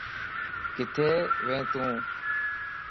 ڪٿي وي تون